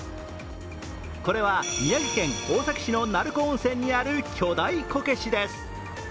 これは宮城県大崎市の鳴子温泉にある巨大こけしです。